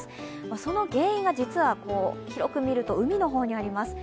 その原因が実は広く見ると、海の方にあります。